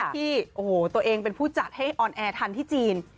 ที่โอ้โหตัวเองเป็นผู้จัดให้ออนแอร์ทันที่จีน